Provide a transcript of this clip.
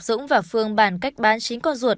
dũng và phương bàn cách bán chín con ruột